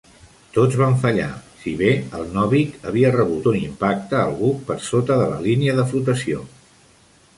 Tots van fallar, si bé el Novik havia rebut un impacte al buc per sota de la línia de flotació.